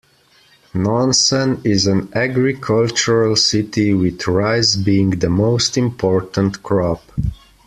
Nonsan is an agricultural city, with rice being the most important crop.